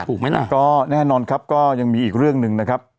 ไหมล่ะก็แน่นอนครับก็ยังมีอีกเรื่องหนึ่งนะครับ